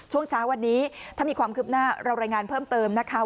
ช่วงเช้าวันนี้ถ้ามีความคืบหน้าเรารายงานเพิ่มเติมนะคะ